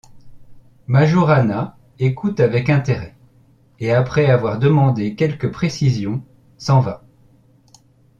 Majorana écoute avec intérêt, et après avoir demandé quelques précisions, s’en va.